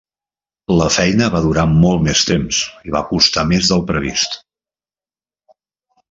La feina va durar molt més temps i va costar més del previst.